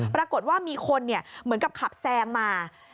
ปรากฏว่ามีคนเหมือนกับขับแซงมา